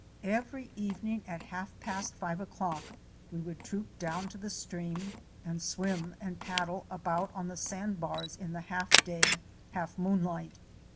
Every evening at half past five o'clock we would troop down to the stream and swim and paddle about on the sand bars in the half day — half moonlight.